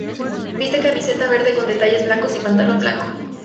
Viste camiseta verde con detalles blancos y pantalón blanco.